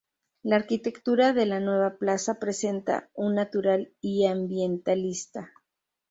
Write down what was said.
La arquitectura de la nueva plaza presenta un natural y ambientalista.